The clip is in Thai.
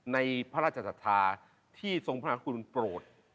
ในพระราชศาสตราที่ทรงพระราชคุณโปรด